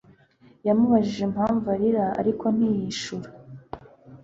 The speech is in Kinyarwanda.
Yamubajije impamvu arira ariko ntiyishura